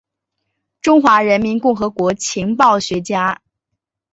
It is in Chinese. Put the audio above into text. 中华人民共和国情报学家。